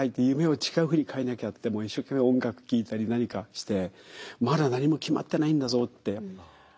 夢を違うふうに変えなきゃってもう一生懸命音楽聴いたり何かしてまだ何も決まってないんだぞって。